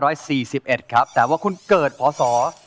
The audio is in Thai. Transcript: ย์เดมเกิดปรส๒๕๓๘